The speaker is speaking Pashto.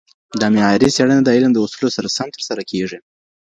دا معیاري څېړنه د علم د اصولو سره سم ترسره کیږي.